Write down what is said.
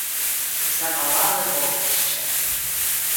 Запалали вогнища.